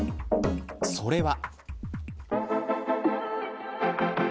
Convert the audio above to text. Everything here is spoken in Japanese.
それは。